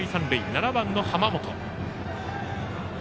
７番の濱本。